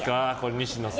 西野さん。